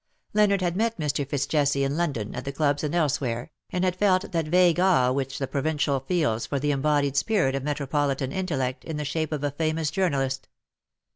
Leonard had met Mr. FitzJesse in London, at the clubs and elsewhere, and had felt that vague awe which the provincial feels for the embodied spirit of metro politan intellect in the shape of a famous journalist.